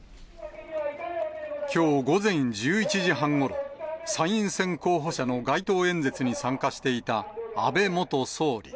きょう午前１１時半ごろ、参院選候補者の街頭演説に参加していた安倍元総理。